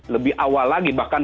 lebih awal lagi